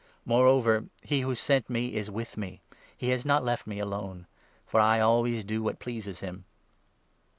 Moreover, he who sent me is with me ; he has not left me 29 alone ; for I always do what pleases him.